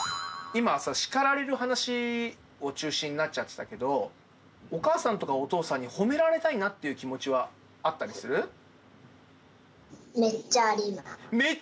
今、叱られる話が中心になっちゃってたけど、お母さんとかお父さんに褒められたいなっていう気持ちはあったりめっちゃあります。